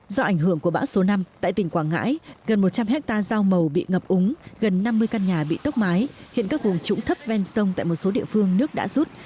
do ảnh hưởng của bão số năm tại tỉnh quảng ngãi gần một trăm linh hectare dao màu bị ngập úng gần năm mươi căn nhà bị tốc mái hiện các vùng trũng thấp ven sông tại một số địa phương nước đã rút